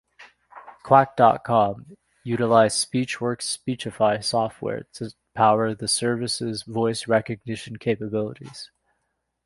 Quack dot com utilized SpeechWorks' Speechify software to power the service's voice recognition capabilities.